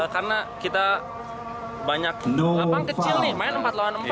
karena kita banyak lapang kecil nih main empat lawan empat